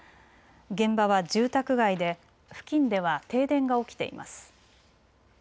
現場は住宅街で付近では停電が起きています。